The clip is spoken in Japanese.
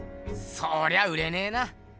そりゃ売れねえな。